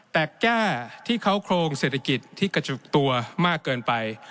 แต่แก้ที่เขาโครงเศรษฐกิจที่กระจุกตัวมากเกินไป